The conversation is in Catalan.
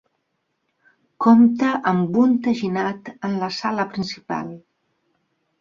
Compta amb un teginat en la sala principal.